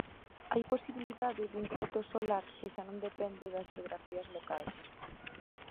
Hai a posibilidade dun culto solar que xa non depende das xeografías locais.